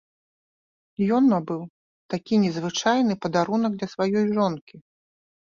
Ён набыў такі незвычайны падарунак для сваёй жонкі.